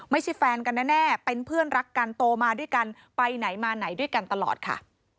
ไม่ใช่แฟนกันแน่เป็นเพื่อนรักกันโตมาด้วยกันไปไหนมาไหนด้วยกันตลอดค่ะ